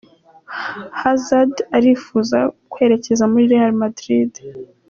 Hazard arifuza kwerekeza muri Real Madrid.